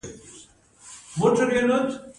د سوداګرۍ بیلانس کله مساوي کیږي؟